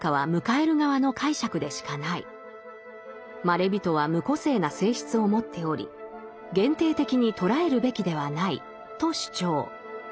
まれびとは無個性な性質を持っており限定的に捉えるべきではないと主張。